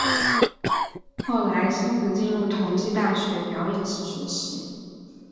后来馨子进入同济大学表演系学习。